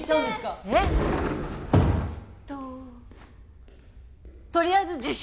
えっととりあえず自習！